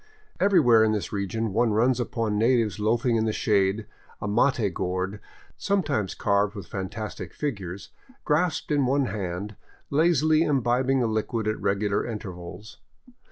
Everywhere in this region one runs upon natives loafing in the shade, a mate gourd, sometimes carved with fan tastic figures, grasped in one hand, lazily imbibing the liquid at regular intervals.